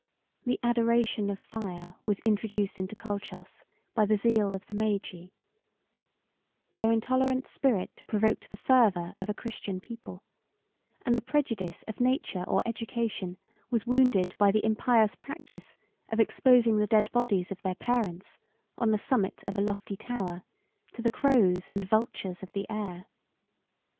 The adoration of fire was introduced into Colchos by the zeal of the Magi: their intolerant spirit provoked the fervor of a Christian people; and the prejudice of nature or education was wounded by the impious practice of exposing the dead bodies of their parents, on the summit of a lofty tower, to the crows and vultures of the air.